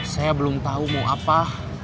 saya belum tahu mau apa